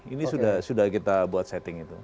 ini sudah kita buat setting itu